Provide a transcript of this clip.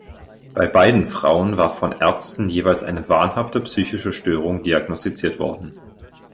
Bei beiden Frauen war von Ärzten jeweils eine wahnhafte psychische Störung diagnostiziert worden.